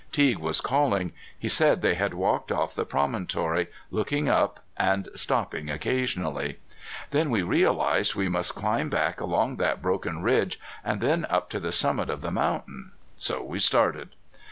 Teague was calling. He said they had walked off the promontory, looking up, and stopping occasionally. Then we realized we must climb back along that broken ridge and then up to the summit of the mountain. So we started.